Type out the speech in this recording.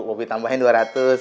bobi tambahin dua ratus